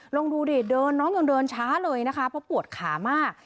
ลองดูดิเดินน้องยังเดินช้าเลยนะคะเพราะปวดขามาก